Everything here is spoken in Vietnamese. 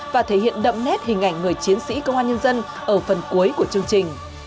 và thể hiện đậm nét hình ảnh người chiến sĩ công an nhân dân ở phần cuối của chương trình